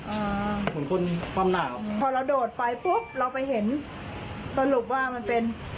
เหมือนคนความหนาวพอเราโดดไปปุ๊บเราไปเห็นสรุปว่ามันเป็น